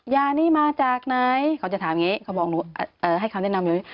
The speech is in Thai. ยานี่มาจากไหนเขาจะถามอย่างงี้เขาบอกหนูเอ่อให้คำแนะนำอยู่